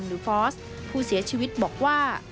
ฟอสผู้เสียชีวิตบอกว่า